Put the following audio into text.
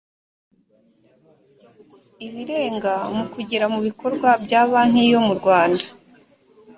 ibirenga mu kugera ku bikorwa bya banki yo murwanda